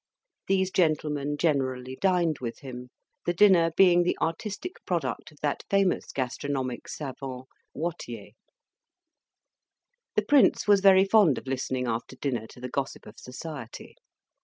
These gentlemen generally dined with him; the dinner being the artistic product of that famous gastronomic savant, Wattiers. The Prince was very fond of listening after dinner to the gossip of society.